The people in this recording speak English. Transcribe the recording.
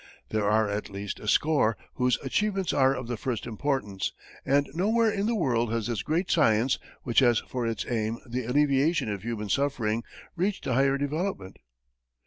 There are at least a score whose achievements are of the first importance, and nowhere in the world has this great science, which has for its aim the alleviation of human suffering, reached a higher development.